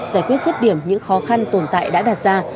giải quyết rứt điểm những khó khăn tồn tại đã đặt ra